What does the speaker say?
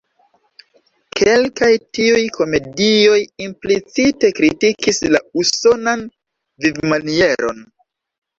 Kelkaj tiuj komedioj implicite kritikis la usonan vivmanieron.